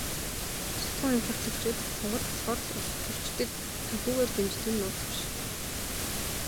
Шатахуун импортлогчид сонгууль болохоор л улстөрчдийг санхүүгээр дэмждэг нь нууц биш.